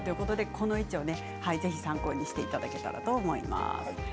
この位置を参考にしていただければと思います。